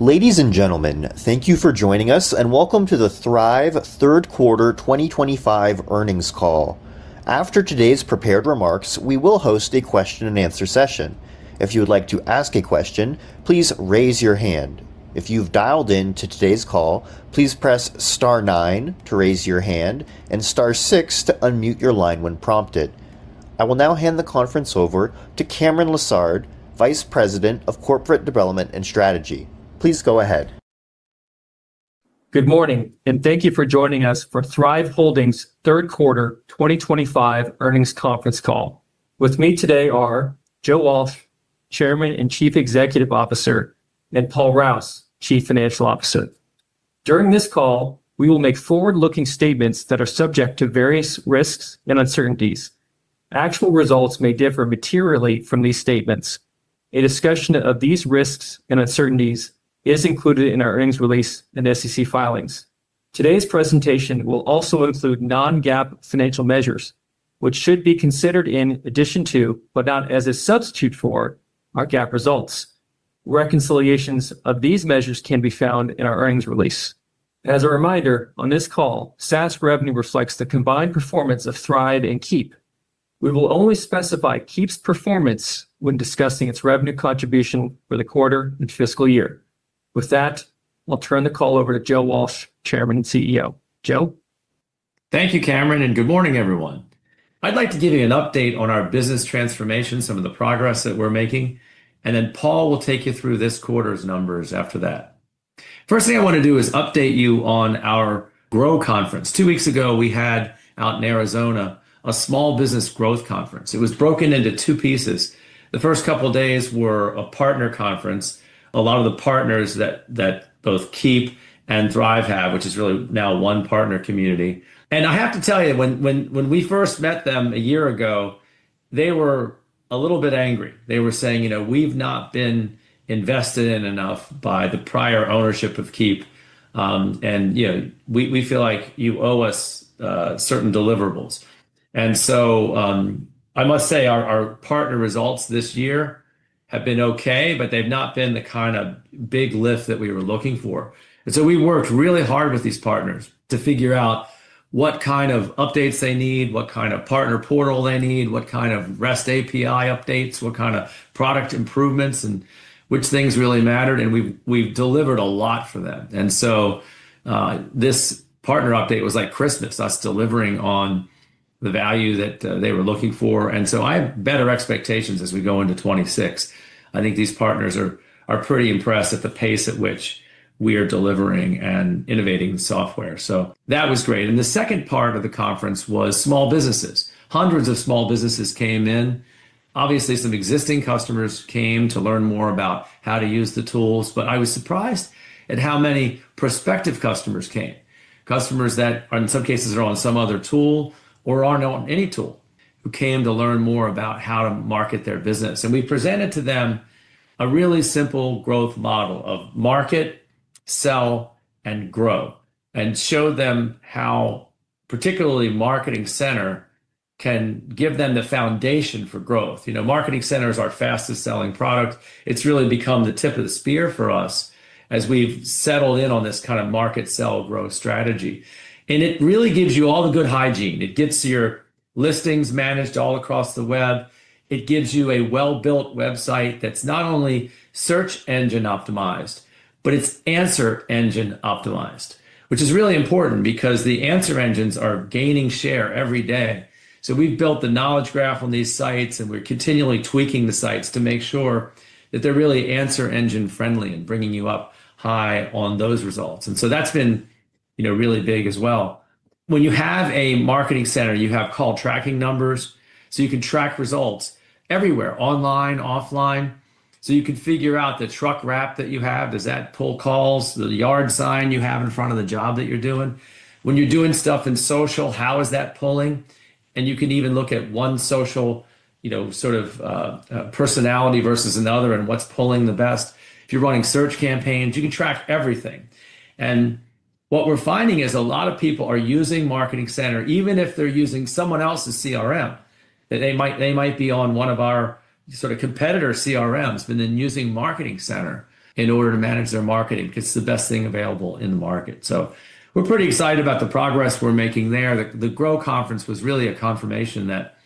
Ladies and gentlemen, thank you for joining us and welcome to the Thryv third quarter 2025 earnings call. After today's prepared remarks, we will host a question and answer session. If you would like to ask a question, please raise your hand. If you've dialed in to today's call, please press Star 9 to raise your hand and Star 6 to unmute your line when prompted. I will now hand the conference over to Cameron Lessard, Vice President of Corporate Development and Strategy. Please go ahead. Good morning and thank you for joining us for Thryv Holdings third quarter 2025 earnings conference call. With me today are Joe Walsh, Chairman and Chief Executive Officer, and Paul Rouse, Chief Financial Officer. During this call, we will make forward-looking statements that are subject to various risks and uncertainties. Actual results may differ materially from these statements. A discussion of these risks and uncertainties is included in our earnings release and SEC filings. Today's presentation will also include non-GAAP financial measures, which should be considered in addition to, but not as a substitute for, our GAAP results. Reconciliations of these measures can be found in our earnings release. As a reminder, on this call, SaaS revenue reflects the combined performance of Thryv and Keap. We will only specify Keap's performance when discussing its revenue contribution for the quarter and fiscal year. With that, I'll turn the call over to Joe Walsh, Chairman and CEO. Joe, thank you, Cameron. Good morning everyone. I'd like to give you an update on our business transformation, some of the progress that we're making, and then Paul will take you through this quarter's numbers after that, first thing I want to do is update you on our Grow Conference. Two weeks ago we had out in Arizona a small business growth conference. It was broken into two pieces. The first couple of days were a partner conference. A lot of the partners that both Keap and Thryv have, which is really now one partner community. I have to tell you, when we first met them a year ago, they were a little bit angry. They were saying, you know, we've not been invested in enough by the prior ownership of Keap and we feel like you owe us certain deliverables. I must say our partner results this year have been okay, but they've not been the kind of big lift that we were looking for. We worked really hard with these partners to figure out what kind of updates they need, what kind of partner portal they need, what kind of REST API updates, what kind of product improvements and which things really mattered. We have delivered a lot for them. This partner update was like Christmas, us delivering on the value that they were looking for. I have better expectations as we go into 2026. I think these partners are pretty impressed at the pace at which we are delivering and innovating software. That was great. The second part of the conference was small businesses. Hundreds of small businesses came in. Obviously, some existing customers came to learn more about how to use the tools, but I was surprised at how many prospective customers came. Customers that in some cases are on some other tool or are not on any tool, who came to learn more about how to market their business. We presented to them a really simple growth model of market, sell, and grow, and showed them how product, particularly Marketing Center, can give them the foundation for growth. Marketing Center is our fastest selling product. It has really become the tip of the spear for us as we have settled in on this kind of market, sell, growth strategy. It really gives you all the good hygiene. It gets your listings managed all across the web. It gives you a well-built website that's not only search engine optimized, but it's answer engine optimized, which is really important because the answer engines are gaining share every day. We have built the knowledge graph on these sites and we are continually tweaking the sites to make sure that they're really answer engine friendly and bringing you up high on those results. That has been really big as well. When you have a Marketing Center, you have call tracking numbers so you can track results everywhere online and offline, so you can figure out the truck wrap that you have. Does that pull calls, the yard sign. You have in front of the job that you're doing. When you're doing stuff in social, how is that pulling? You can even look at one social sort of personality versus another and what's pulling the best. If you're running search campaigns, you can track everything. What we're finding is a lot of people are using Marketing Center, even if they're using someone else's CRM. They might be on one of our competitor CRMs and then using Marketing Center in order to manage their marketing because it's the best thing available in the market. We're pretty excited about the progress we're making there. The Grow Conference was really a confirmation that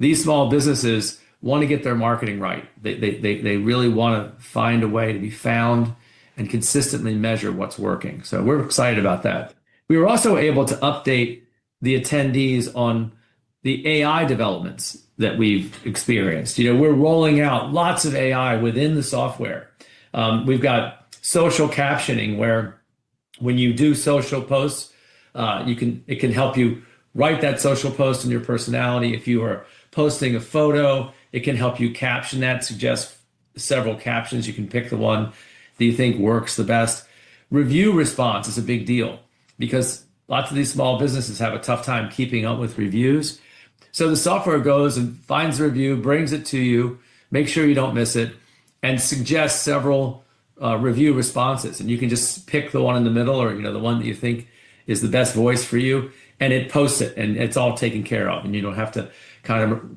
these small businesses want to get their marketing right. They really want to find a way to be found and consistently measure what's working. We're excited about that. We were also able to update the attendees on the AI developments that we've experienced. You know we're rolling out lots of AI within the software. We've got social captioning where when you do social posts, it can help you write that social post and your personality. If you are posting a photo, it can help you caption that, suggest several captions. You can pick the one that you think works the best. Review response is a big deal because lots of these small businesses have a tough time keeping up with reviews. The software goes and finds review, brings it to you, makes sure you don't miss it, and suggests several review responses. You can just pick the one in the middle, you know, the one that you think is the best voice for you, and it posts it, and it's all taken care of you don't have to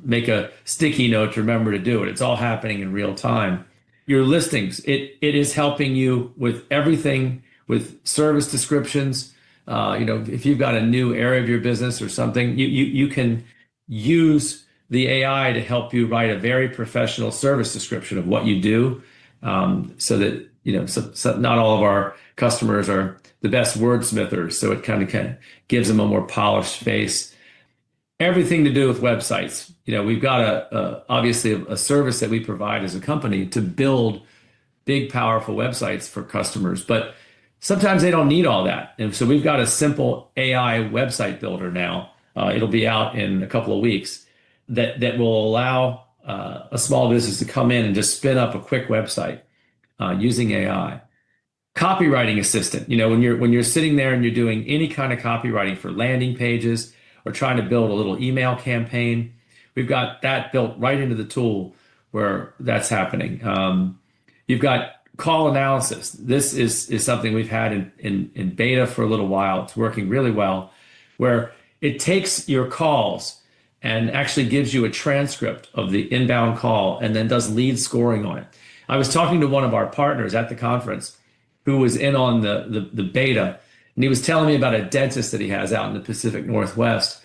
make a sticky note to remember to do it. It's all happening in real time. Your listings, it is helping you with everything with service descriptions. You know, if you've got a new area of your business or something, you can use the AI to help you write a very professional service description of what you do. Not all of our customers are the best wordsmithers, so it kind of gives them a more polished face. Everything to do with websites, we've got, obviously, a service that we provide as a company to build big, powerful websites for customers, but sometimes they don't need all that. We've got a simple AI website builder now. It'll be out in a couple of weeks. That will allow a small business to come in and just spin up a quick website using AI copywriting assistant. When you're sitting there and you're doing any kind of copywriting for landing pages or trying to build a little email campaign, we've got that built right into the tool where that's happening. You've got call analysis. This is something we've had in beta for a little while. It's working really well where it takes your calls and actually gives you a transcript of the inbound call and then does lead scoring on it. I was talking to one of our partners at the conference who was in on the beta, and he was telling me about a dentist that he has out in the Pacific Northwest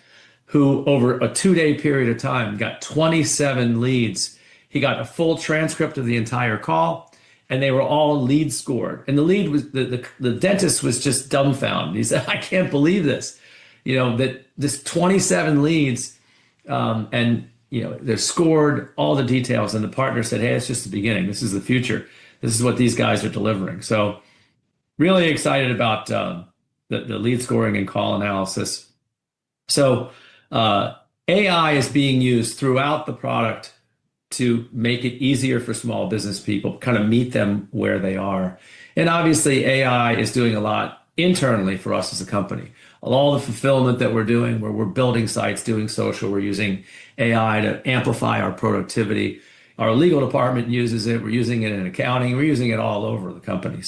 who over a two-day period of time got 27 leads. He got a full transcript of the entire call, and they were all lead scored. The lead was, the dentist was just dumbfound. He said, I can't believe this, you know, that this 27 leads and, you know, they're scored, all the details. The partner said, hey, it's just the beginning. This is the future, this is what these guys are delivering. Really excited about the lead scoring and call analysis. AI is being used throughout the product to make it easier for small business people, kind of meet them where they are. Obviously, AI is doing a lot internally for us as a company, all the fulfillment that we're doing, where we're building sites, doing social, we're using AI to amplify our productivity. Our legal department uses it, we're using it in accounting, we're using it all over the company.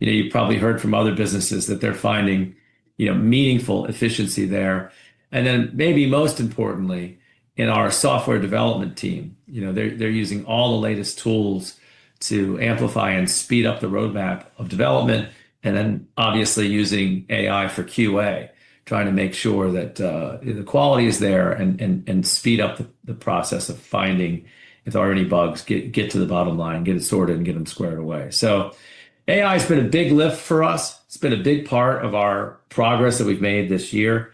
You probably heard from other businesses that they're finding meaningful efficiency there. Maybe most importantly, in our software development team, they're using all the latest tools to amplify and speed up the roadmap of development, and obviously using AI for QA trying to make sure that the quality. AI has been a big lift for us. It's been a big part of our progress that we've made this year,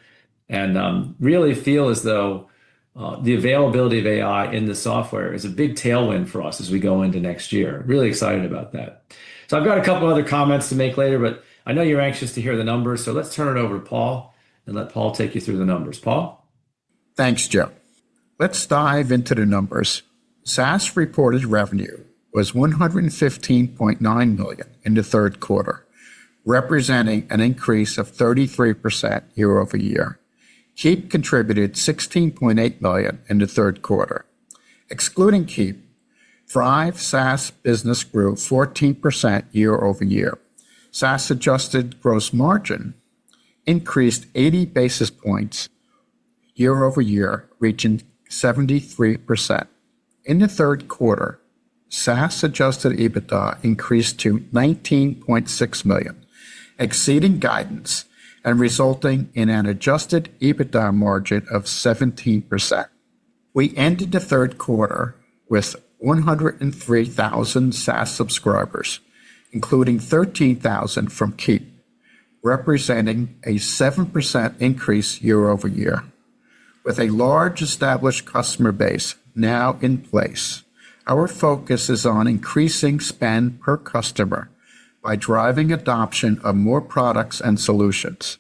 and really feel as though the availability of AI in the software is a big tailwind for us as we go into next year. Really excited about that. I have a couple other comments. I know you're anxious to hear the numbers, so let's. Turn it over to Paul and let Paul, take you through the numbers. Paul. Thanks, Joe. Let's dive into the numbers. SaaS reported revenue was $115.9 million in the third quarter, representing an increase of 33% year over year. Keap contributed $16.8 million in the third quarter. Excluding Keap, Thryv SaaS business grew 14% year over year. SaaS adjusted gross margin increased 80 basis points year over year, reaching 73% in the third quarter. SaaS Adjusted EBITDA increased to $19.6 million, exceeding guidance and resulting in an Adjusted EBITDA margin of 17%. We ended the third quarter with 103,000 SaaS subscribers, including 13,000 from Keap, representing a 7% increase year over year. With a large established customer base now in place, our focus is on increasing spend per customer by driving adoption of more products and solutions,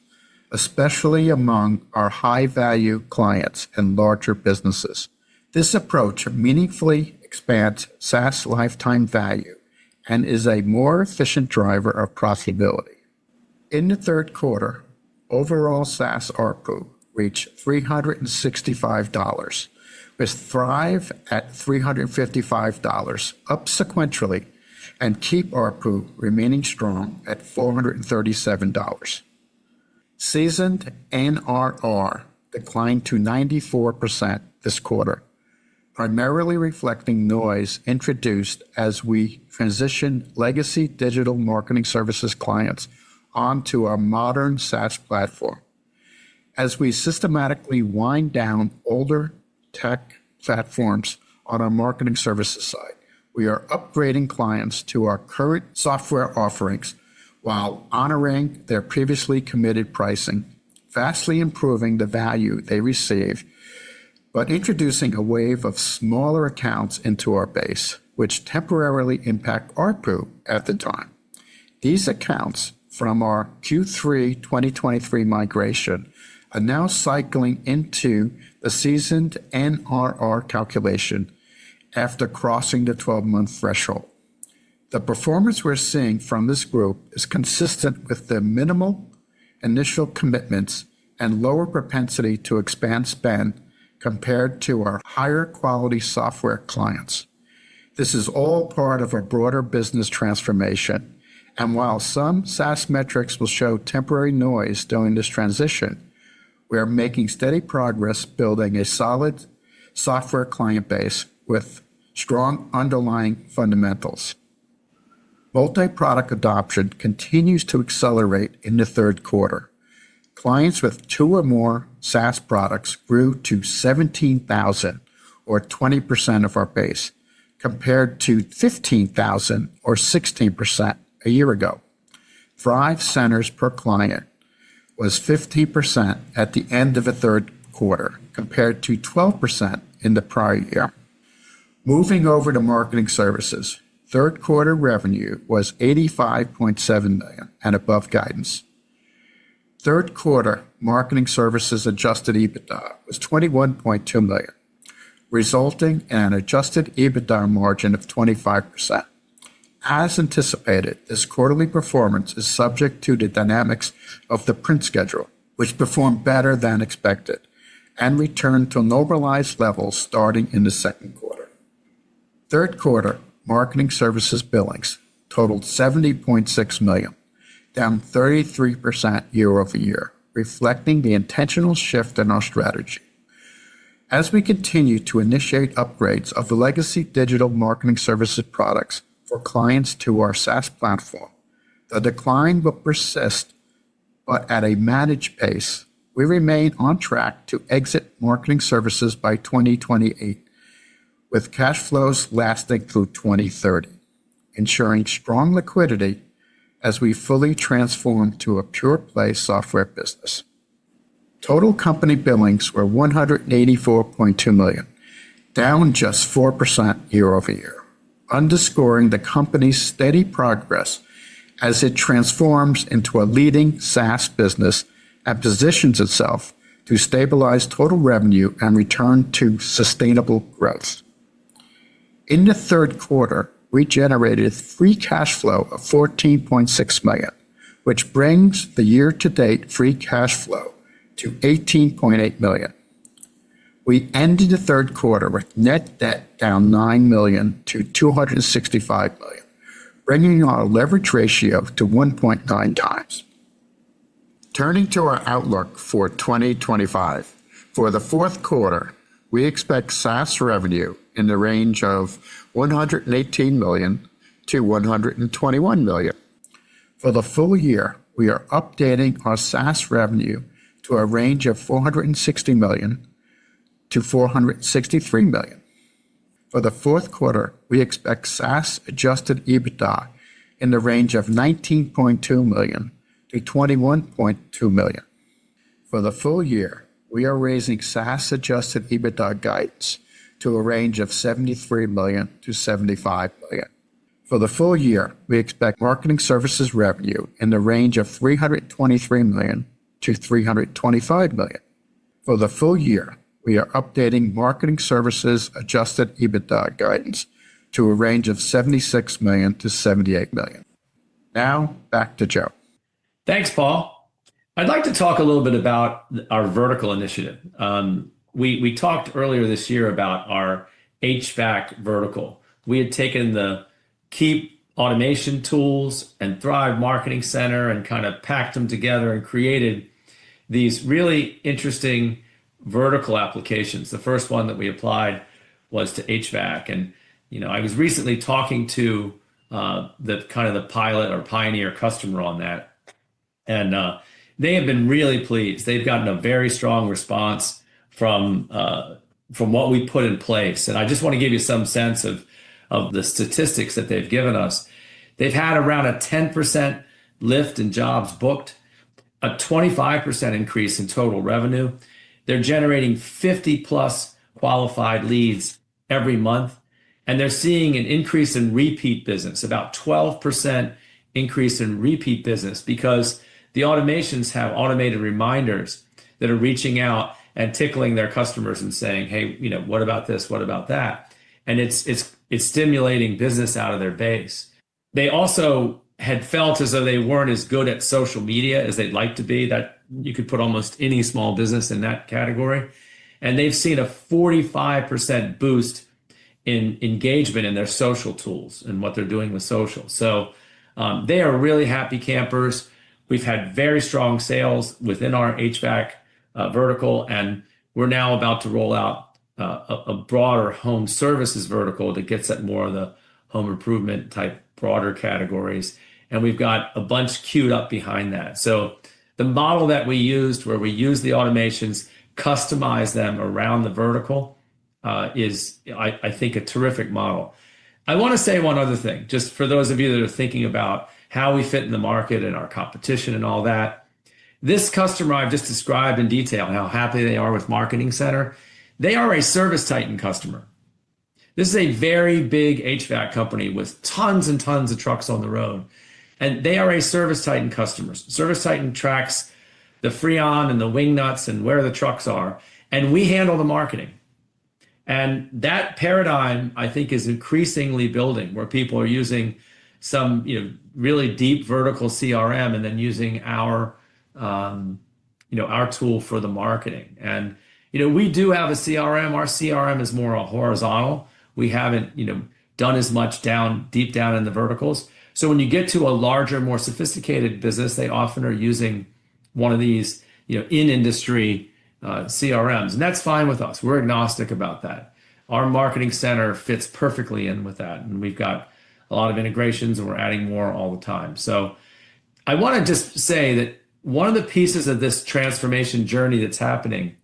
especially among our high value clients and larger businesses. This approach meaningfully expands SaaS lifetime value and is a more efficient driver of profitability. In the third quarter overall, SaaS ARPU reached $365, with Thryv at $355, up sequentially, and Keap ARPU remaining strong at $437. Seasoned NRR declined to 94% this quarter, primarily reflecting noise introduced as we transition legacy digital marketing services clients onto our modern SaaS platform as we systematically wind down older tech platforms. On our Marketing Services side, we are upgrading clients to our current software offerings while honoring their previously committed pricing, vastly improving the value they receive but introducing a wave of smaller accounts into our base, which temporarily impact ARPU at the time. These accounts from our Q3 2023 migration are now cycling into the seasoned NRR calculation after crossing the 12 month threshold. The performance we're seeing from this group is consistent with the minimal initial commitments and lower propensity to expand spend compared to our higher quality software clients. This is all part of a broader business transformation, and while some SaaS metrics will show temporary noise during this transition, we are making steady progress building a solid software client base with strong underlying fundamentals. Multi-product adoption continues to accelerate in the third quarter. Clients with two or more SaaS products grew to 17,000, or 20% of our base, compared to 15,000, or 16%, a year ago. Five centers per client was 50% at the end of the third quarter compared to 12% in the prior year. Moving over to Marketing Services, third quarter revenue was $85.7 million and above guidance. Third quarter Marketing Services Adjusted EBITDA was $21.2 million, resulting in an adjusted EBITDA margin of 25%. As anticipated, this quarterly performance is subject to the dynamics of the print schedule, which performed better than expected and returned to normalized levels starting in the second quarter. Third quarter Marketing Services billings totaled $70.6 million, down 33% year over year, reflecting the intentional shift in our strategy as we continue to initiate upgrades of the legacy digital Marketing Services products for clients to our SaaS platform. The decline will persist but at a managed pace. We remain on track to exit Marketing Services by 2028 with cash flows lasting through 2030, ensuring strong liquidity as we fully transform to a pure play software business. Total company billings were $184.2 million, down just 4% year over year, underscoring the company's steady progress as it transforms into a leading SaaS business and positions itself to stabilize total revenue and return to sustainable growth. In the third quarter, we generated free cash flow of $14.6 million, which brings the year to date free cash flow to $18.8 million. We ended the third quarter with net debt down $9 million to $265 million, bringing our leverage ratio to 1.9 times. Turning to our outlook for 2025, for the fourth quarter we expect SaaS revenue in the range of $118 million to $121 million. For the full year, we are updating our SaaS revenue to a range of $460 million to $463 million. For the fourth quarter, we expect SaaS Adjusted EBITDA in the range of $19.2 million to $21.2 million. For the full year, we are raising SaaS Adjusted EBITDA guidance to a range of $73 million to $75 million. For the full year, we expect Marketing Services revenue in the range of $323 million to $325 million. For the full year, we are updating Marketing Services Adjusted EBITDA guidance to a range of $76 million-$78 million. Now back to Joe. Thanks, Paul. I'd like to talk a little bit about our vertical initiative. We talked earlier this year about our HVAC vertical. We had taken the key automation tools and Thryv Marketing Center and kind of packed them together and created these really interesting vertical applications. The first one that we applied was to HVAC and you know, I was recently talking to the kind of the pilot or pioneer customer on that. They have been really pleased. They've gotten a very strong response from what we put in place. I just want to give you some sense of the statistics that they've given us. They've had around a 10% lift in jobs booked, a 25% increase in total revenue. They're generating 50 plus qualified leads every month and they're seeing an increase in repeat business, about a 12% increase in repeat business because the automations have automated reminders that are reaching out and tickling their customers and saying, hey, you know, what about this, what about that? It's stimulating business out of their base. They also had felt as though they weren't as good at social media as they'd like to be. You could put almost any small business in that category and they've seen a 45% boost in engagement in their social tools and what they're doing with social. They are really happy campers. We've had very strong sales within our HVAC vertical and we're now about to roll out a broader home services vertical that gets at more of the home improvement type, broader categories and we've got a bunch queued up behind that. The model that we used, where we use the automations, customize them around the vertical, is I think a terrific model. I want to say one other thing, just for those of you that are thinking about how we fit in the market and our competition and all that. This customer, I've just described in detail how happy they are with Marketing Center. They are a ServiceTitan customer. This is a very big HVAC company with tons and tons of trucks on the road and they are a ServiceTitan customer. ServiceTitan tracks the Freon and the wing nuts and where the trucks are and we handle the marketing. That paradigm I think is increasingly building where people are using some really deep vertical CRM and then using our tool for the marketing. We do have a CRM. Our CRM is more a horizontal. We haven't done as much deep down in the verticals. When you get to a larger, more sophisticated business, they often are using one of these in-industry CRMs. That's fine with us. We're agnostic about that. Our Marketing Center fits perfectly in with that. We've got a lot of integrations and we're adding more all the time. I want to just say that one of the pieces of this transformation journey that's happening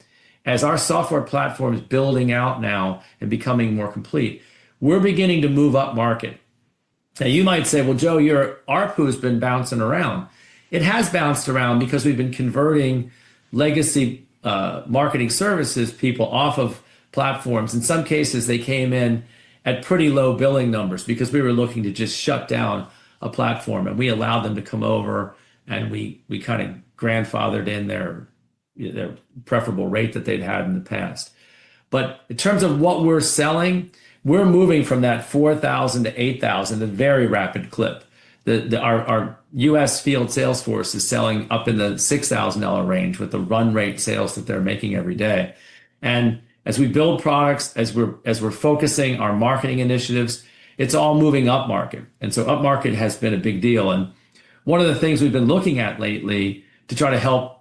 as our software platform is building out now and becoming more complete, we're beginning to move up market. You might say, well, Joe, your ARPU has been bouncing around. It has bounced around because we've been converting legacy Marketing Services people off of platforms. In some cases they came in at pretty low billing numbers because we were looking to just shut down a platform and we allowed them to come over and we kind of grandfathered in their preferable rate that they'd had in the past. In terms of what we're selling, we're moving from that $4,000-$8,000 at a very rapid clip. Our U.S. field sales force is selling up in the $6,000 range with the run rate sales that they're making every day. As we build products, as we're focusing our marketing initiatives, it's all moving up market. Up market has been a big deal. One of the things we've been looking at lately to try to help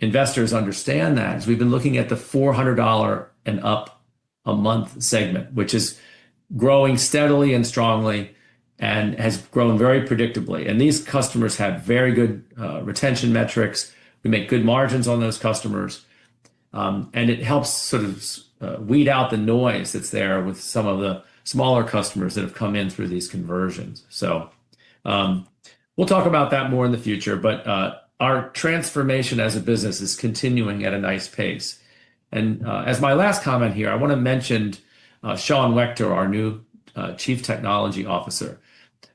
investors understand that is we've been looking at the $400 and up a month segment, which is growing steadily and strongly and has grown very predictably. These customers have very good retention metrics. We make good margins on those customers and it helps sort of weed out the noise that's there with some of the smaller customers that have come in through these conversions. We will talk about that more in the future. Our transformation as a business is continuing at a nice pace. As my last comment here, I want to mention Sean Wachter, our new Chief Technology Officer.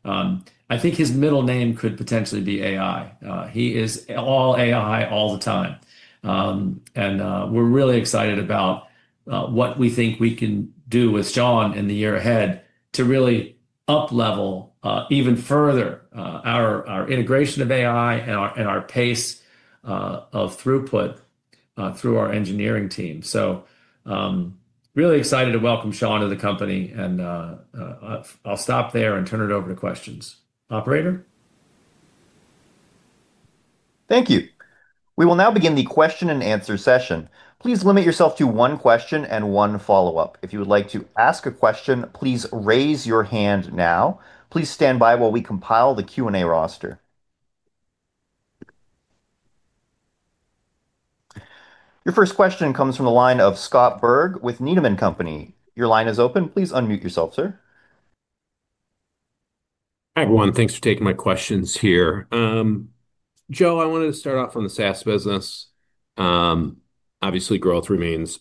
I think his middle name could potentially be AI. He is all AI, all the time. We're really excited about what we think we can do with Sean in the year ahead to really up level even further our integration of AI and our pace of throughput through our engineering team. Really excited to welcome Sean to the company. I'll stop there and turn it over to questions. Operator. Thank you. We will now begin the question and answer session. Please limit yourself to one question and one follow-up. If you would like to ask a question, please raise your hand. Now please stand by while we compile the Q&A roster. Your first question comes from the line of Scott Berg with Needham & Company. Your line is open. Please unmute yourself, sir. Hi everyone. Thanks for taking my questions here. Joe, I wanted to start off on the SaaS business. Obviously, growth remains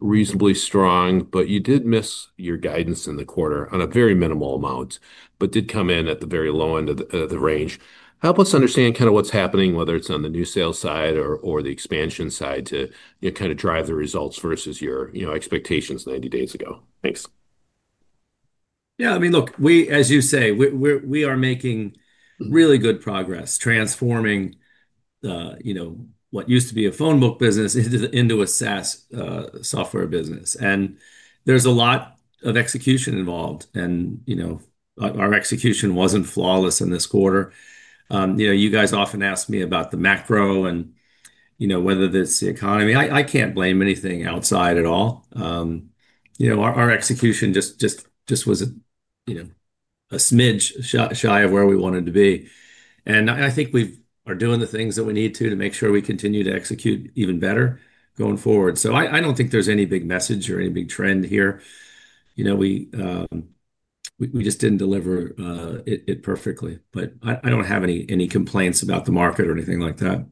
reasonably strong, but you did miss your guidance in the quarter on a very minimal amount, but did come in at the very low end of the range. Help us understand kind of what's happening, whether it's on the new sales side or the expansion side to kind of drive the results versus your expectations 90 days ago. Thanks. Yeah, I mean look, as you say, we are making really good progress transforming what used to be a phone book business into a SaaS software business. There's a lot of execution involved, and our execution wasn't flawless in this quarter. You guys often ask me about the macro and whether it's the economy. I can't blame anything outside at all. Our execution just was a smidge shy of where we wanted to be. I think we are doing the things that we need to, to make sure we continue to execute even better going forward. I don't think there's any big message or any big trend here. We just didn't deliver it perfectly. I don't have any complaints about the market or anything like that.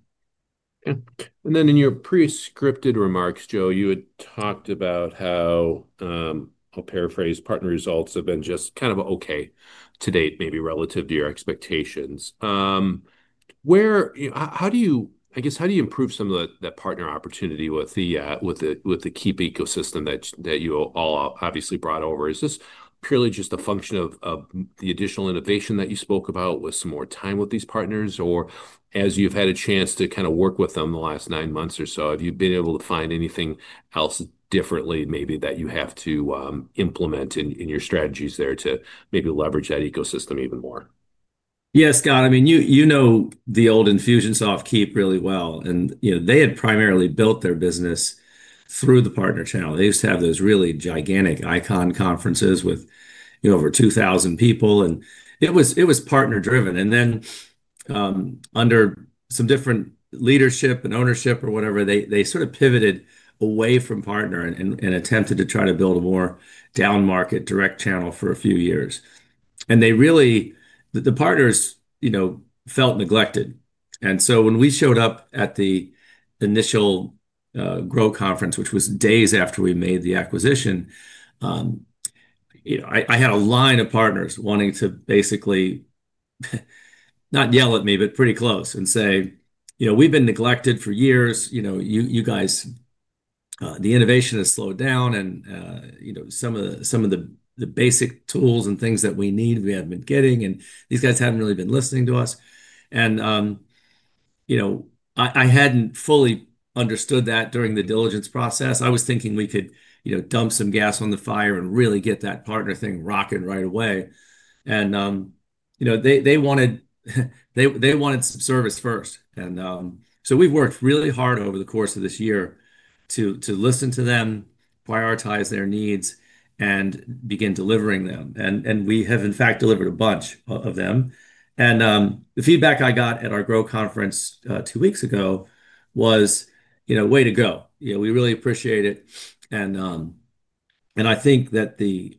In your prescripted remarks, Joe, you had talked about how, I'll paraphrase, partner results have been just kind of okay to date, maybe relative to your expectations. How do you, I guess, how do you improve some of that partner opportunity with the Keap ecosystem that you all obviously brought over? Is this purely just a function of the additional innovation that you spoke about with some more time with these partners, or as you've had a chance to kind of work with them the last nine months or so, have you been able to find anything else differently maybe that you have to implement in your strategies there to maybe leverage that ecosystem even more? Yes, Scott. You know the old Infusionsoft Keap really well and you know they had primarily built their business through the partner channel. They used to have those really gigantic ICON cConferences with over 2,000 people and it was partner driven. Then under some different leadership and ownership or whatever, they sort of pivoted away from partner and attempted to try to build a more down market direct channel for a few years. The partners felt neglected. When we showed up at the initial Grow Conference, which was days after we made the acquisition, I had a line of partners wanting to basically not yell at me, but pretty close and say, you know, we've been neglected for years. You guys, the innovation has slowed down and some of the basic tools and things that we need we haven't been getting and these guys haven't really been listening to us. I hadn't fully understood that during the diligence process. I was thinking we could dump some gas on the fire and really get that partner thing rocking right away. They wanted some service first. We have worked really hard over the course of this year to listen to them, prioritize their needs, and begin delivering them. We have in fact delivered a bunch of them. The feedback I got at our Grow conference two weeks ago was, way to go. We really appreciate it. I think that the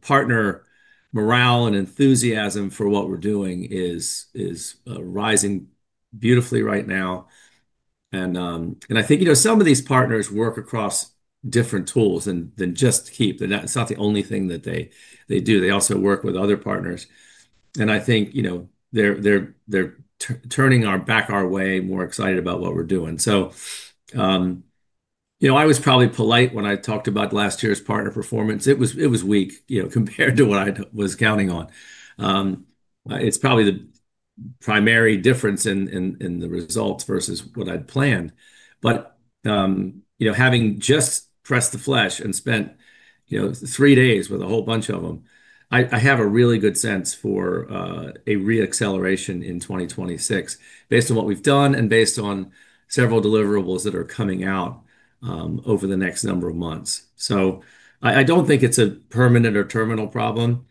partner morale and enthusiasm for what we're doing is rising beautifully right now. I think some of these partners work across different tools than just Keap. It's not the only thing that they do. They also work with other partners and I think they're turning back our way, more excited about what we're doing. I was probably polite when I talked about last year's partner performance. It was weak compared to what I was counting on. It's probably the primary difference in the results versus what I'd planned. Having just pressed the flesh and spent three days with a whole bunch of them, I have a really good sense for a re-acceleration in 2026 based on what we've done and based on several deliverables that are coming out over the next number of months. I don't think it's a permanent or terminal problem.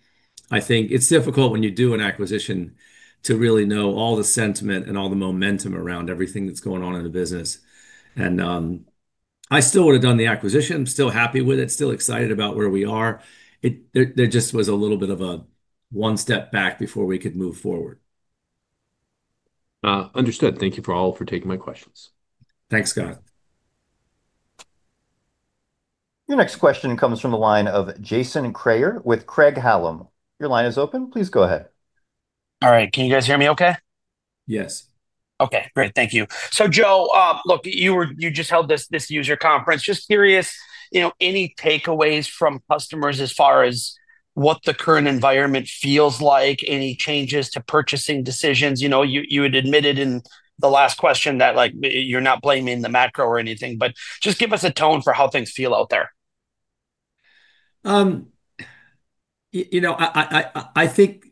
I think it's difficult when you do an acquisition to really know all the sentiment and all the momentum around everything that's going on in the business. I still would have done the acquisition, still happy with it, still excited about where we are. There just was a little bit of a one step back before we could move forward. Understood. Thank you all for taking my questions. Thanks, Scott. Your next question comes from the line of Jason Kreyer with Craig-Hallum. Your line is open. Please go ahead. All right, can you guys hear me okay? Yes. Okay, great. Thank you. Joe, you just held this user conference. Just curious, any takeaways from customers as far as what the current environment feels like, any changes to purchasing decisions? You had admitted in the last question that you're not blaming the macro or anything, but just give us a tone for how things feel out there. I think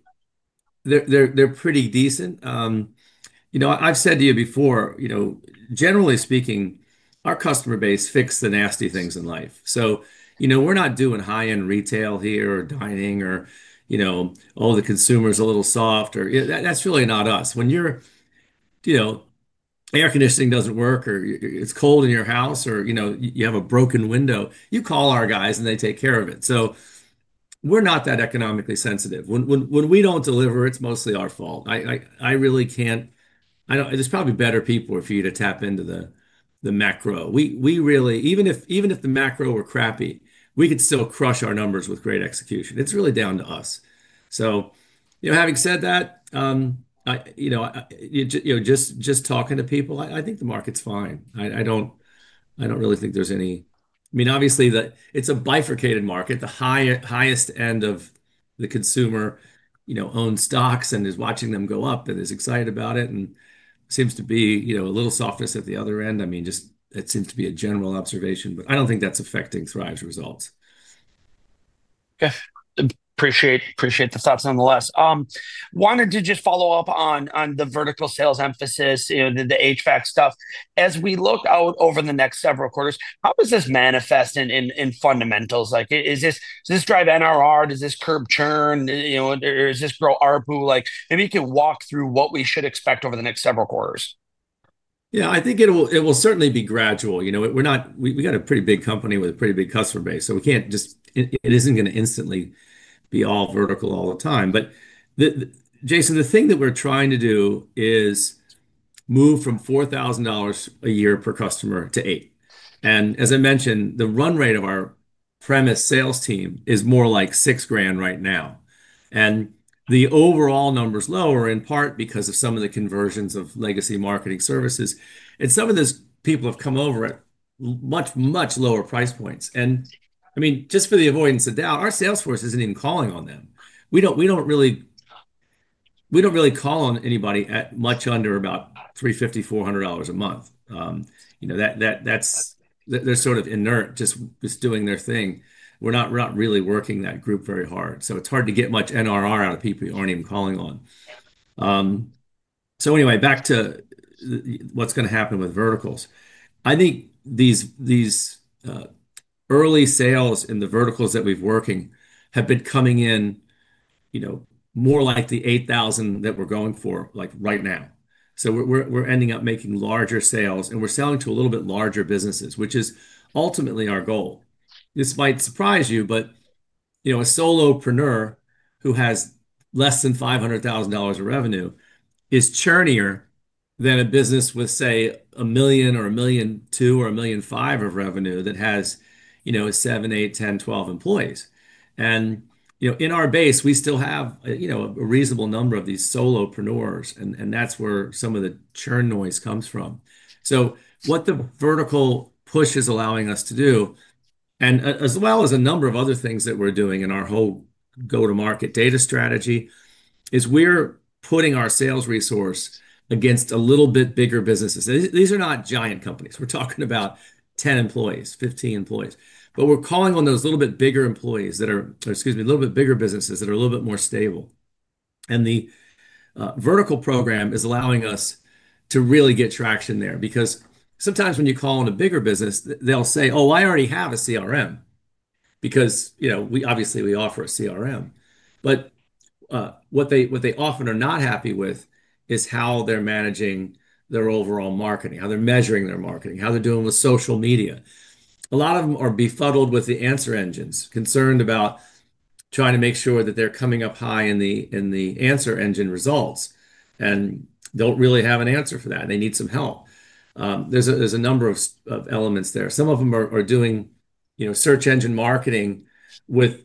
they're pretty decent. I've said to you before, generally speaking our customer base fixes the nasty things in life. We're not doing high end retail here or dining or all the consumers a little soft or that's really not us. When your air conditioning doesn't work or it's cold in your house or you have a broken window, you call our guys and they take care of it. We're not that economically sensitive. When we don't deliver, it's mostly our fault. I just probably better people for you to tap into the macro. Even if the macro were crappy, we could still crush our numbers with great execution. It's really down to us. Having said that, just talking to people, I think the market's fine. I don't really think there's any. I mean obviously it's a bifurcated market. The highest end of the consumer owns stocks and is watching them go up and is excited about it and seems to be a little softness. At the other end, I mean, it seems to be a general observation, but I don't think that's affecting Thryv's results. Okay, appreciate the thoughts nonetheless. Wanted to just follow up on the vertical sales emphasis, you know, the HVAC stuff as we look out over the next several quarters. How does this manifest in fundamentals? Like, does this drive NRR, does this curb churn, or does this grow ARPU? Maybe you can walk through what we should expect over the next several quarters? Yeah, I think it will certainly be gradual. We're not. We got a pretty big company with a pretty big customer base, so we can't just. It isn't going to instantly be all vertical all the time. Jason, the thing that we're trying to do is move from $4,000 a year per customer to $8,000. As I mentioned, the run rate of our premise sales team is more like $6,000 right now. The overall number's lower in part because of some of the conversions of legacy Marketing Services, and some of those people have come over at much, much lower price points. Just for the avoidance of doubt, our salesforce isn't even calling on them. We don't really call on anybody at much under about $350, $400 a month. They're sort of inert, just doing their thing. We're not really working that group very hard. It's hard to get much NRR out of people you aren't even calling on. Back to what's going to happen with verticals. I think these early sales in the verticals that we've been working have been coming in more like the $8,000 that we're going for right now. We're ending up making larger sales and we're selling to a little bit larger businesses, which is ultimately our goal. This might surprise you, but a solopreneur who has less than $500,000 of revenue is churnier than a business with, say, $1 million or $1.2 million or $1.5 million of revenue that has 7, 8, 10, 12 employees. In our base we still have a reasonable number of these solopreneurs, and that's where some of the churn noise comes from. What the vertical push is allowing us to do, as well as a number of other things that we're doing in our whole go-to-market data strategy, is we're putting our sales resource against a little bit bigger businesses. These are not giant companies. We're talking about 10 employees, 15 employees. We're calling on those little bit bigger businesses that are a little bit more stable. The vertical program is allowing us to really get traction there. Sometimes when you call in a bigger business, they'll say, oh, I already have a CRM because we, obviously, we offer a CRM, but what they often are not happy with is how they're managing their overall marketing, how they're measuring their marketing, how they're doing with social media. A lot of them are befuddled with the answer engines, concerned about trying to make sure that they're coming up high in the answer engine results and don't really have an answer for that. They need some help. There's a number of elements there. Some of them are doing search engine marketing with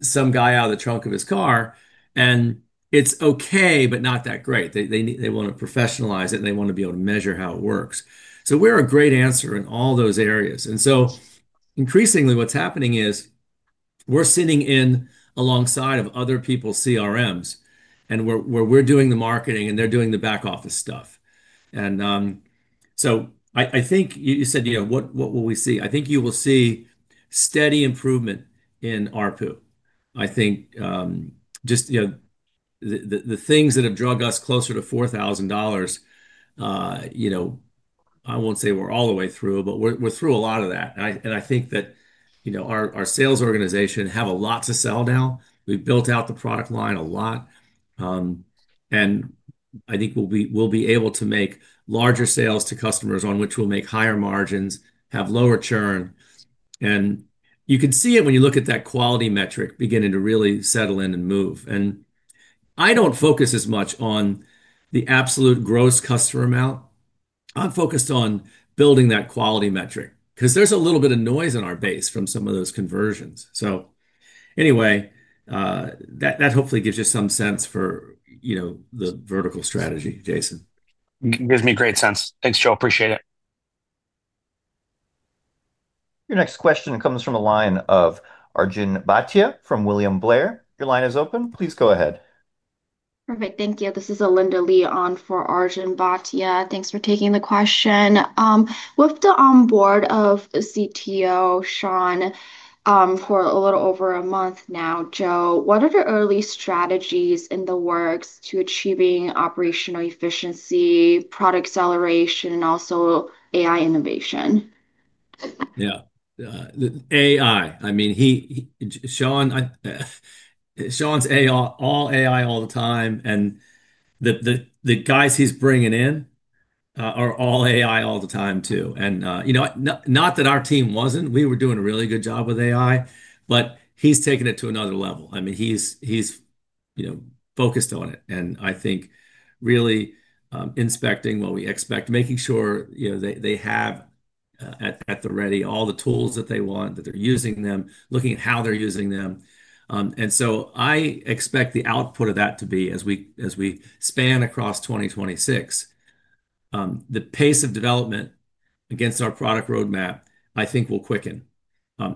some guy out of the trunk of his car and it's okay, but not that great. They want to professionalize it and they want to be able to measure how it works. We're a great answer in all those areas. Increasingly, what's happening is we're sitting in alongside other people's CRMs where we're doing the marketing and they're doing the back office stuff. I think you said, you know, what will we see? I think you will see steady improvement in ARPU. I think just, you know, the things that have driven us closer to $4,000. I won't say we're all the way through, but we're through a lot of that. I think that our sales organization have a lot to sell now. We've built out the product line a lot and I think we'll be able to make larger sales to customers on which we'll make higher margins and have lower churn. You can see it when you look at that quality metric beginning to really settle in and move. I don't focus as much on the absolute gross customer amount. I'm focused on building that quality metric because there's a little bit of noise in our base from some of those conversions. That hopefully gives you some sense for the vertical strategy. Jason gives me great sense. Thanks, Joe. Appreciate it. Your next question comes from the line of Arjun Bhatia from William Blair. Line is open. Please go ahead. Perfect. Thank you. This is Alinda Leon for Arjun Bhatia. Thanks for taking the question. With the onboarding of Chief Technology Officer, Sean Wachter, for a little over a month now, Joe, what are the early strategies in the works to achieving operational efficiency, product acceleration, and also AI innovation? Yeah, AI. I mean, Sean. Sean's all AI all the time. The guys he's bringing in are all AI all the time too. You know, not that our team wasn't. We were doing a really good job with AI, but he's taken it to another level. I mean, he's focused on it, and I think really inspecting what we expect, making sure they have at the ready all the tools that they want, that they're using them, looking at how they're using them. I expect the output of that to be, as we span across 2026, the pace of development against our product roadmap, I think, will quicken.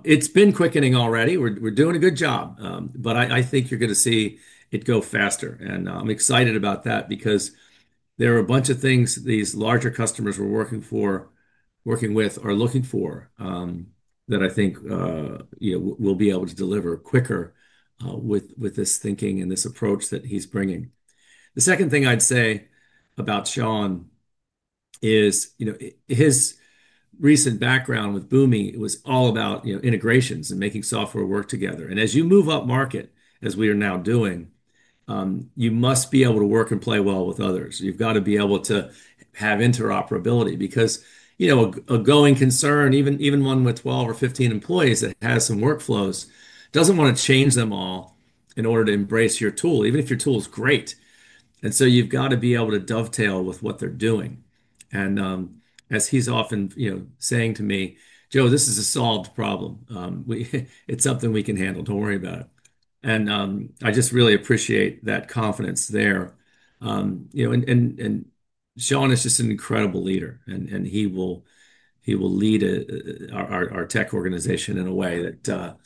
It's been quickening already. We're doing a good job, but I think you're going to see it go faster. I'm excited about that because there are a bunch of things these larger customers we're working with are looking for that I think we'll be able to deliver quicker with this thinking and this approach that he's bringing. The second thing I'd say about Sean is his recent background with Boomi was all about integrations and making software work together. As you move up market, as we are now doing, you must be able to work and play well with others. You've got to be able to have interoperability because, you know, a going concern, even one with 12 or 15 employees that has some workflows, doesn't want to change them all in order to embrace your tool, even if your tool is great. You have got to be able to dovetail with what they're doing. As he's often saying to me, Joe, this is a solved problem and it's something we can handle, don't worry about it. I just really appreciate that confidence there, you know, and Sean is just an incredible leader and he will lead our tech organization in a way that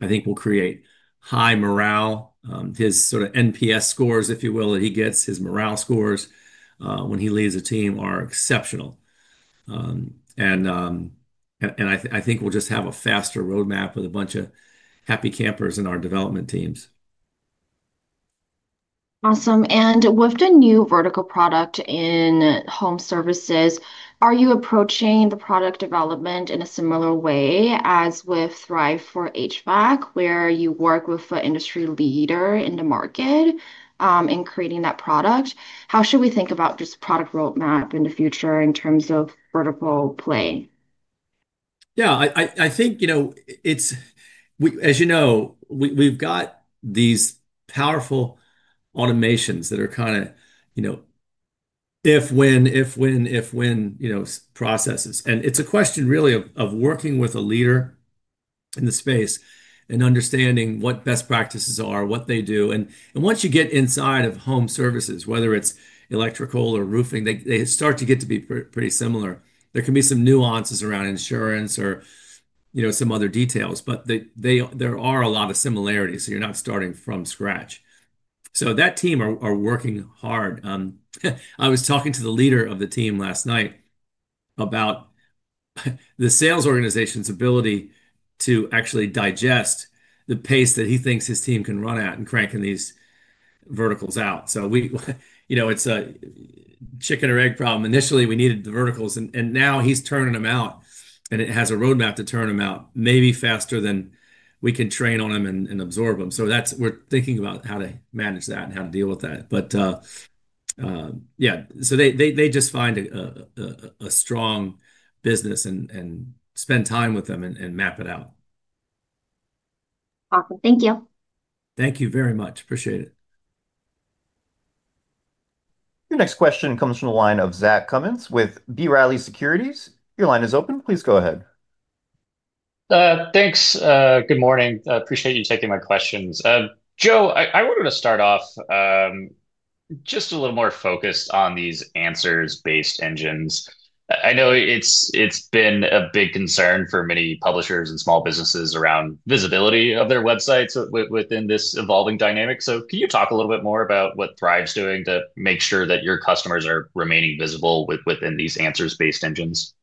I think will create high morale. His sort of NPS scores, if you will, that he gets, his morale scores when he leaves a team, are exceptional. I think we'll just have a faster roadmap with a bunch of happy campers in our development teams. Awesome. With the new vertical product in home services, are you approaching the product development in a similar way as with Thryv for HVAC, where you work with an industry leader in the market in creating that product? How should we think about just product roadmap in the future in terms of vertical plane? I think, you know, it's as you know, we've got these powerful automations that are kind of, you know, if, when, if, when, if, when, you know, processes. It is a question really of working with a leader in the space and understanding what best practices are, what they do, and once you get inside of home services, whether it's electrical or roofing, they start to get to be pretty similar. There can be some nuances around insurance or, you know, some other details, but there are a lot of similarities. You're not starting from scratch. That team are working hard. I was talking to the leader of the team last night about the sales organization's ability to actually digest the pace that he thinks his team can run at and crank these verticals out. It's a chicken or egg problem. Initially, we needed the verticals, and now he's turning them out and has a roadmap to turn them out maybe faster than we can train on them and absorb them. We're thinking about how to manage that and how to deal with that. They just find a strong business and spend time with them and map it out. Awesome. Thank you. Thank you very much. Appreciate it. Your next question comes from the line of Zach Cummins with B. Riley Securities. Your line is open. Please go ahead. Thanks. Good morning. Appreciate you taking my questions. Joe. I wanted to start off just a little more focused on these answers based engines. I know it's been a big concern for many publishers and small businesses around visibility of their websites within this evolving dynamic. Can you talk a little bit more about what Thryv's doing to make sure that your customers are remaining visible within these answers based engines?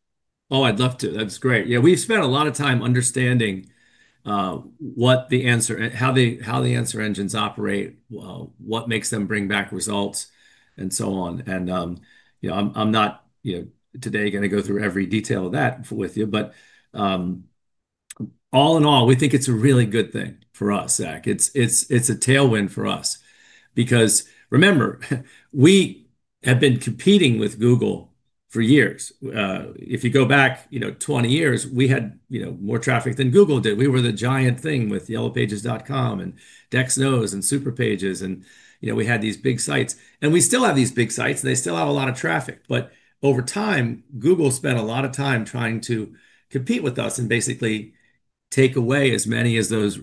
Oh, I'd love to. That's great. Yeah. We've spent a lot of time understanding how the answer engines operate, what makes them bring back results, and so on. I'm not today going to go through every detail of that with you. All in all, we think it's a really good thing for us. Zach, it's a tailwind for us because remember we have been competing with Google for years. If you go back 20 years, we had more traffic than Google did. We were the giant thing with yellowpages.com and DexKnows and Superpages, and we had these big sites and we still have these big sites, and they still have a lot of traffic. Over time, Google spent a lot of time trying to compete with us and basically take away as many of those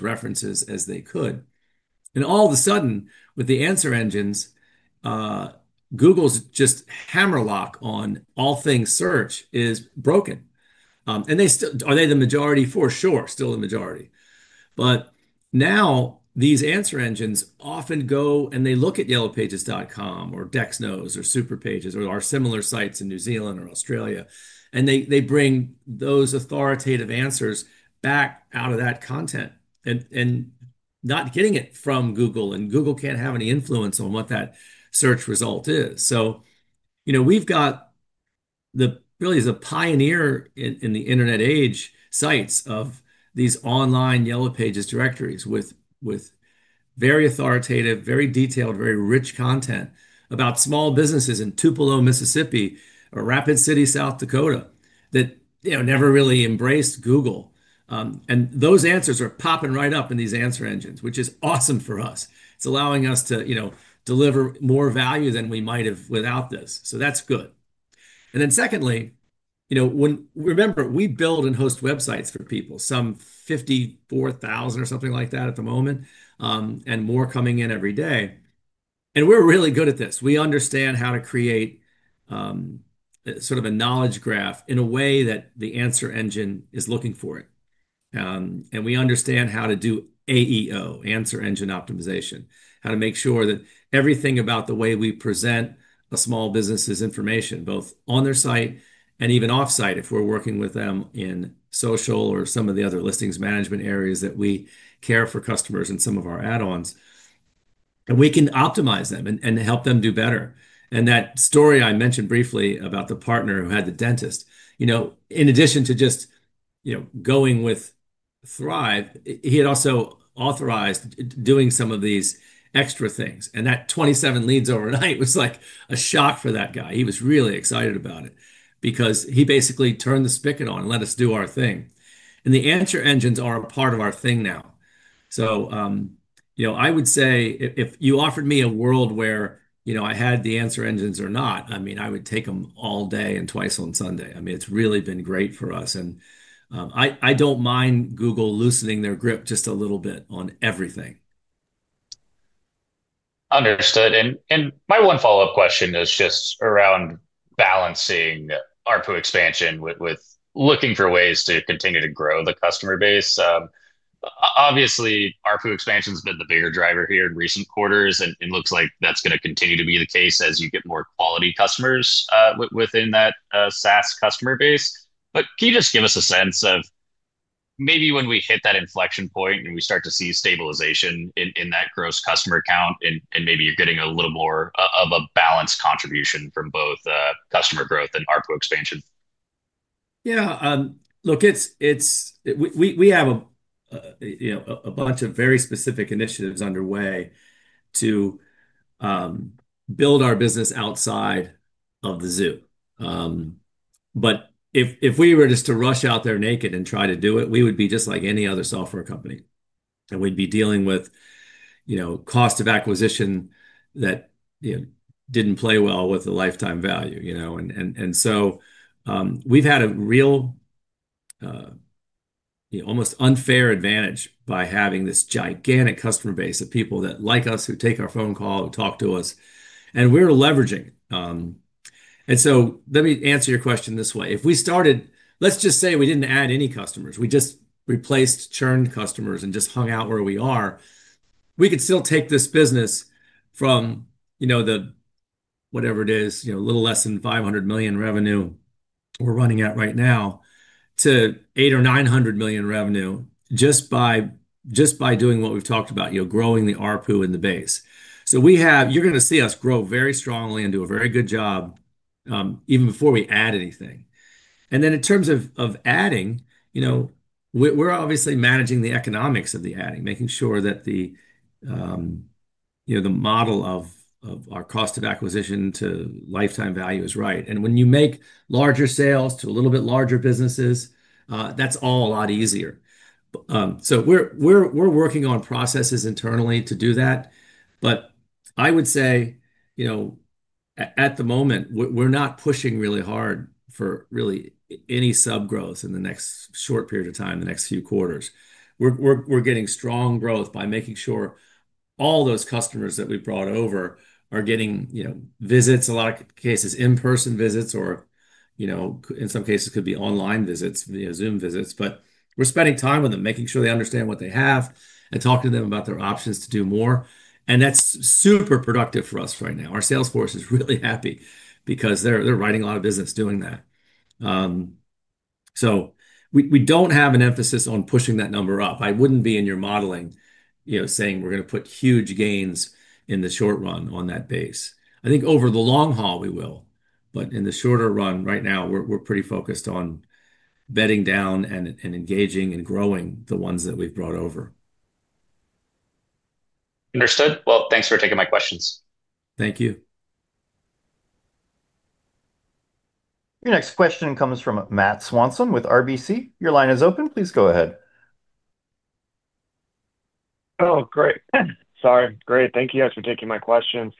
references as they could. All of a sudden, with the answer engines, Google's hammerlock on all things search is broken. Are they the majority? For sure, still the majority. Now these answer engines often go and they look at yellowpages.com or DexKnows or Superpages or similar sites in New Zealand or Australia, and they bring those authoritative answers back out of that content and are not getting it from Google. Google can't have any influence on what that search result is. We've got what really is a pioneer in the Internet age, sites of these online yellow pages directories with very authoritative, very detailed, very rich content about small businesses in Tupelo, Mississippi or Rapid City, South Dakota that never really embraced Google. Those answers are popping right up in these answer engines, which is awesome for us. It's allowing us to deliver more value than we might have without this. That's good. Secondly, remember we build and host websites for people, some 54,000 or something like that at the moment, and more coming in every day, and we're really good at this. We understand how to create sort of a knowledge graph in a way that the answer engine is looking for it. We understand how to do AEO, answer engine optimization, how to make sure that everything about the way we present a small business's information both on their site and even off site if we're working with them in social or some of the other listings management areas that we care for customers and some of our add-ons, and we can optimize them and help them do better. That story I mentioned briefly about the partner who had the dentist, in addition to just going with Thryv, he had also authorized doing some of these extra things and that 27 leads overnight was like a shock for that guy. He was really excited about it because he basically turned the spigot on and let us do our thing, and the answer engines are a part of our thing now. I would say if you offered me a world where I had the answer engines or not, I would take them all day and twice on Sunday. It's really been great for us, and I don't mind Google loosening their grip just a little bit on everything. Understood. My one follow up question is just around balancing ARPU expansion with looking for ways to continue to grow the customer base. Obviously ARPU expansion has been the bigger driver here in recent quarters, and it looks like that's going to continue to be the case as you get more quality customers within that SaaS customer base. Can you just give us a sense of maybe when we hit that inflection point and we start to see stabilization in that gross customer count, and maybe you're getting a little more of a balanced contribution from both customer growth and ARPU expansion? Yeah, look. We have a bunch of very specific initiatives underway to build our business outside of the zoo. If we were just to rush out there naked and try to do it, we would be just like any other software company and we'd be dealing with, you know, cost of acquisition that, you know, didn't play well with the lifetime value, you know, and so we've had a real, almost unfair advantage by having this gigantic customer base of people that like us, who take our phone call, who talk to us, and we're leveraging. Let me answer your question this way. If we started, let's just say we didn't add any customers. We just replaced churned customers and just hung out where we are. We could still take this business from whatever it is, a little less than $500 million revenue we're running at right now to $800 or $900 million revenue just by doing what we've talked about, growing the ARPU in the base. You're going to see us grow very strongly and do a very good job even before we add anything. In terms of adding, you know, we're obviously managing the economics of the adding, making sure that the, you know, the model of our cost of acquisition to lifetime value is right. When you make larger sales to a little bit larger businesses, that's all a lot easier. We're working on processes internally to do that. I would say, you know, at the moment, we're not pushing really hard for really any sub growth in the next short period of time, the next few quarters. We're getting strong growth by making sure all those customers that we brought over are getting, you know, visits. A lot of cases in person visits or, you know, in some cases could be online visits via Zoom visits. We're spending time with them, making sure they understand what they have and talk to them about their options to do more. That's super productive for us. Right now our salesforce is really happy because they're writing a lot of business doing that. We don't have an emphasis on pushing that number up. I wouldn't be in your modeling saying we're going to put huge gains in the short run on that base. I think over the long haul we will, but in the shorter run, right now we're pretty focused on bedding down and engaging and growing the ones that we've brought over. Understood. Thanks for taking my questions. Thank you. Your next question comes from Matt Swanson with RBC. Your line is open. Please go ahead. Great. Thank you guys for taking my questions.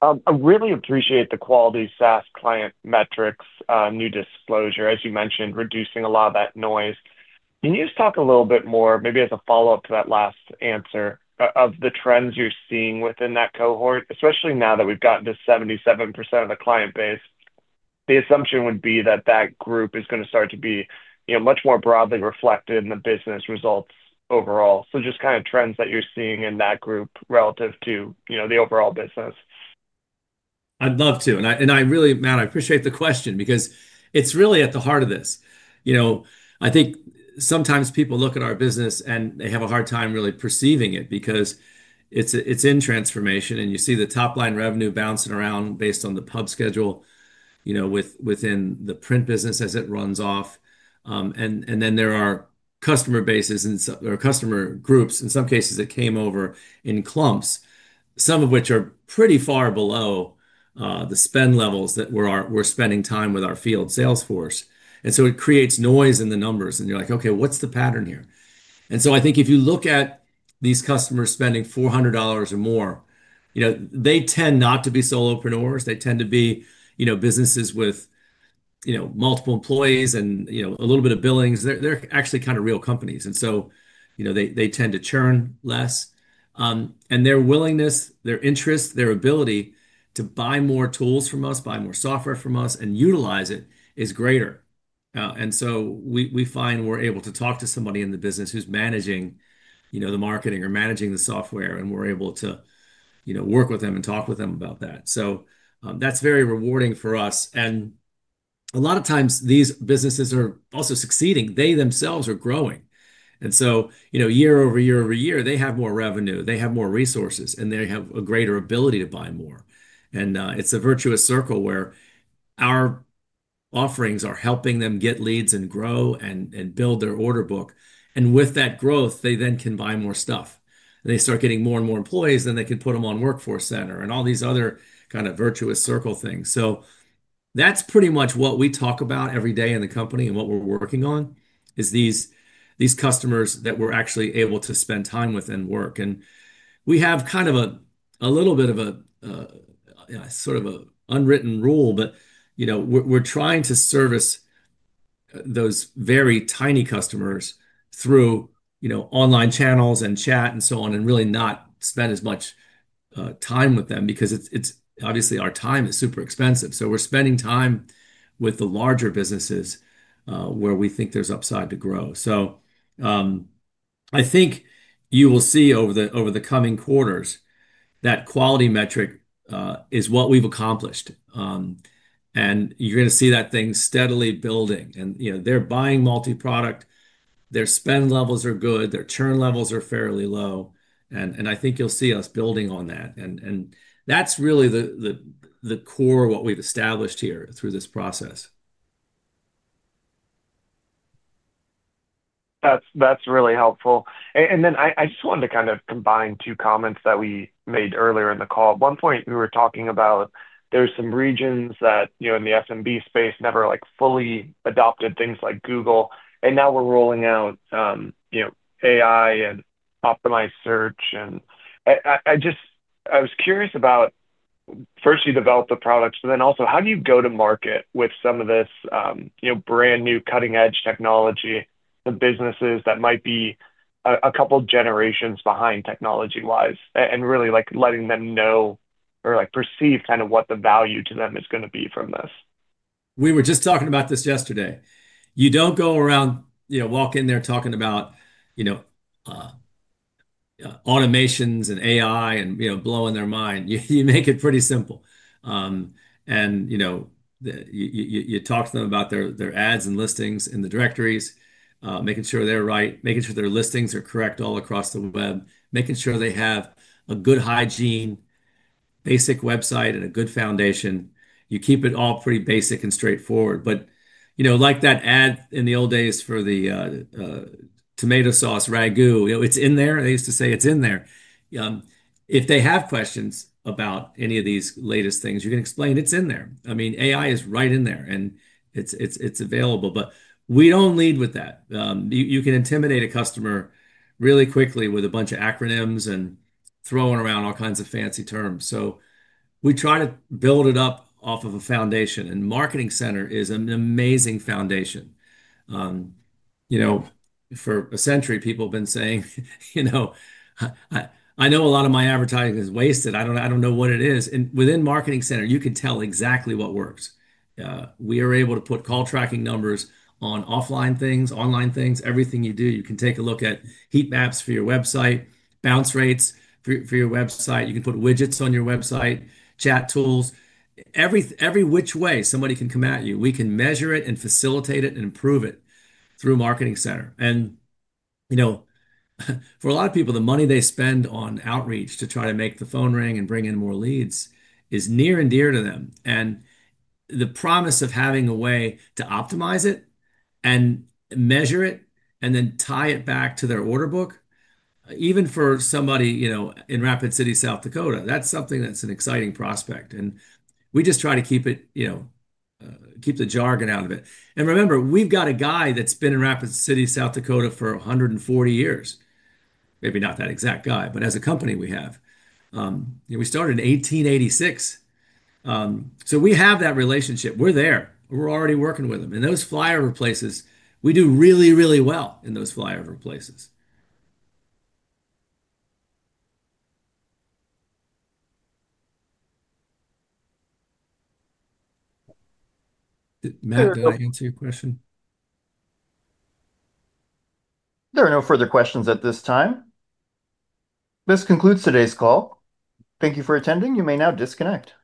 I really appreciate the quality SaaS client metrics new disclosure, as you mentioned, reducing a lot of that noise. Can you just talk a little bit more maybe as a follow up to that last answer, of the trends you're seeing within that cohort, especially now that we've gotten to 77% of the client base, the assumption would be that that group is going to start to be much more broadly reflected in the business results overall. Just kind of trends that you're seeing in that group relative to the overall business. I'd love to. Matt, I appreciate the question because it's really at the heart of this. I think sometimes people look at our business and they have a hard time really perceiving it because it's in transformation, and you see the top line revenue bouncing around based on the pub schedule within the print business as it runs off. There are customer bases or customer groups in some cases that came over in clumps, some of which are pretty far below the spend levels that we're spending time with our field salesforce. It creates noise in the numbers and you're like, okay, what's the pattern here? I think if you look these customers spending $400 or more tend not to be solopreneurs. They tend to be businesses with multiple employees and a little bit of billings. They're actually kind of real companies, and they tend to churn less their willingness, their interest, their ability to buy more tools from us, buy more software from us and utilize it is greater. We find we're able to talk to somebody in the business who's managing the marketing or managing the software, and we're able to work with them and talk with them about that. That's very rewarding for us. A lot of times these businesses are also succeeding. They themselves are growing. Year over year over year, they have more revenue, they have more resources, and they have a greater ability to buy more. It's a virtuous circle where our offerings are helping them get leads and grow and build their order book. With that growth, they then can buy more stuff, they start getting more and more employees, and they can put them on Workforce Center and all these other kind of virtuous circle things. That's pretty much what we talk about every day in the company and what we're working on is these customers that we're actually able to spend time with and work. We have kind of a little bit of a sort of an unwritten rule, but we're trying to service those very tiny customers through online channels and chat and so on and really not spend as much time with them because obviously our time is super expensive. We're spending time with the larger businesses where we think there's upside to grow. I think you will see over the coming quarters that quality metric is what we've accomplished, and you're going to see that thing steadily building. They're buying multi-product, their spend levels are good, their churn levels are fairly low, and I think you'll see us building on that. That's really the core of what we've established here through this process. That's really helpful. I just wanted to kind of combine two comments that we made earlier in the call. At one point we were talking about there's some regions that, you know, in the SMB space never fully adopted things like Google, and now we're rolling out, you know, AI and optimized search. I was curious about, first, you develop the products, but then also how do you go to market with some of this brand new cutting edge technology for businesses that might be a couple generations behind technology-wise and really letting them know or perceive what the value to them is going to be from this. We were just talking about this yesterday. You don't go around, you know, walk in there talking about, you know, automations and AI and, you know, blowing their mind. You make it pretty simple and, you know, you talk to them about their ads and listings in the directories, making sure they're right, making sure their listings are correct all across the web, making sure they have a good hygiene, basic website and a good foundation. You keep it all pretty basic and straightforward. Like that ad in the old days for the tomato sauce Ragu, you know it's in there. They used to say it's in there. If they have questions about any of these latest things, you can explain it's in there. I mean, AI is right in there and it's available, but we don't lead with that. You can intimidate a customer really quickly with a bunch of acronyms and throwing around all kinds of fancy terms. We try to build it up off of a foundation. Marketing Center is an amazing foundation. For a century, people have been saying, you know, I know a lot of my advertising is wasted I don't. I don't know what it is. Within Marketing Center, you can tell exactly what works. We are able to put call tracking numbers on offline things, online things, everything you do. You can take a look at heat maps for your website, bounce rates for your website. You can put widgets on your website, chat tools, every which way somebody can come at you. We can measure it, facilitate it, and improve it through Marketing Center. For a lot of people, the money they spend on outreach to try to make the phone ring bringing in more leads is near, it is dear to them. The promise of having a way to optimize it and measure it and then tie it back to their order book, even for somebody in Rapid City, South Dakota, that's an exciting prospect. We just try to keep it, you know, keep the jargon out of it. Remember, we've got a guy that's been in Rapid City, South Dakota for 140 years. Maybe not that exact guy, but as a company, we have. We started in 1886, so we have that relationship. We're there, we're already working with them. In those flyover places, we do really, really well in those flyover places. Answer your question. There are no further questions at this time. This concludes today's call. Thank you for attending. You may now disconnect.